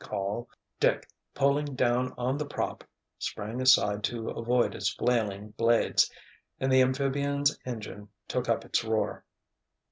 call, Dick, pulling down on the "prop," sprang aside to avoid its flailing blades, and the amphibian's engine took up its roar.